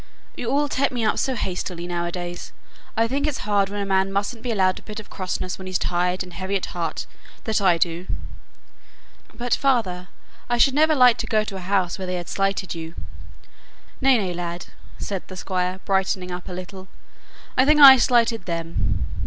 "You all take me up so hastily now a days. I think it's hard when a man mustn't be allowed a bit of crossness when he's tired and heavy at heart that I do." "But, father, I should never like to go to a house where they had slighted you." "Nay, nay, lad," said the Squire, brightening up a little; "I think I slighted them.